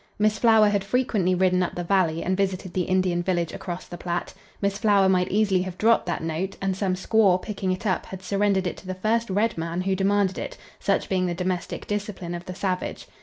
Miss Flower had frequently ridden up the valley and visited the Indian village across the Platte. Miss Flower might easily have dropped that note, and some squaw, picking it up, had surrendered it to the first red man who demanded it, such being the domestic discipline of the savage.